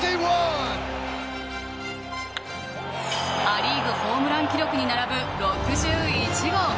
ア・リーグホームラン記録に並ぶ６１号。